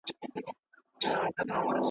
ونې د چاپېریال توازن ساتي.